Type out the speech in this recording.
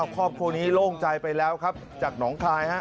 ครอบครัวนี้โล่งใจไปแล้วครับจากหนองคายฮะ